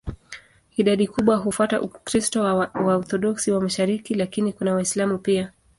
Idadi kubwa hufuata Ukristo wa Waorthodoksi wa mashariki, lakini kuna Waislamu pia.